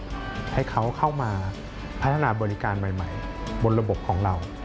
แล้วจะเปิดระบบให้เขาเข้ามาพัฒนาบริการใหม่บนระบบของเรา